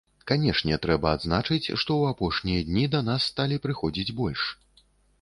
Канешне, трэба адзначыць, што ў апошнія дні да нас сталі прыходзіць больш.